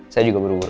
saya juga buru buru